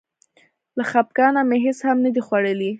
له خپګانه مې هېڅ هم نه دي خوړلي.